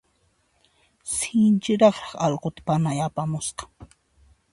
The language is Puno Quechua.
Sinchi raqraq allquta panay apamusqa.